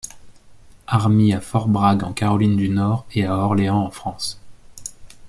Army à Fort Bragg en Caroline du Nord et à Orléans en France.